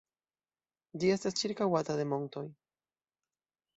Ĝi estas ĉirkaŭata de montoj.